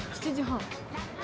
７時半。